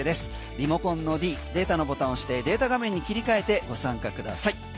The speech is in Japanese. リモコンのｄデータのボタン押してデータ画面に切り替えてご参加ください。